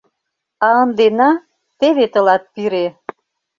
А ынде на — теве тылат пире!